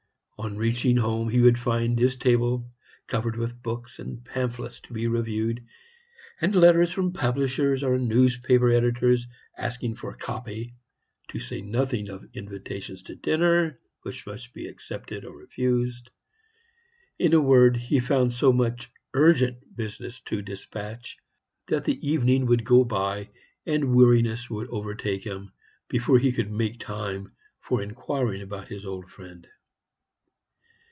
On reaching home he would find his table covered with books and pamphlets to be reviewed, and letters from publishers or newspaper editors asking for "copy" to say nothing of invitations to dinner, which must be accepted or refused; in a word, he found so much URGENT business to despatch that the evening would go by, and weariness would overtake him, before he could make time for inquiring about his old friend.